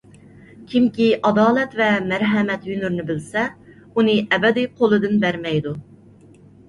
كىمكى ئادالەت ۋە مەرھەمەت ھۈنىرىنى بىلسە، ئۇنى ئەبەدىي قولىدىن بەرمەيدۇ.